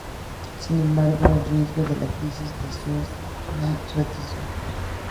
Sin embargo, el riesgo de la Crisis de Suez la retrasó.